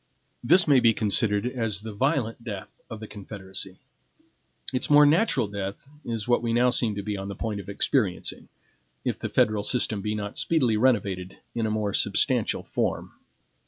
This may be considered as the violent death of the Confederacy. Its more natural death is what we now seem to be on the point of experiencing, if the federal system be not speedily renovated in a more substantial form.